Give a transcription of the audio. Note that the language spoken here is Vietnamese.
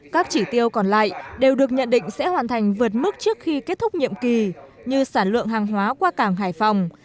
các chỉ tiêu còn lại đều được nhận định sẽ hoàn thành vượt mức trước khi kết thúc nhiệm kỳ như sản lượng hàng hóa qua cảng hải phòng